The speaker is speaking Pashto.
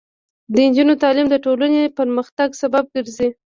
د نجونو تعلیم د ټولنې پرمختګ سبب ګرځي.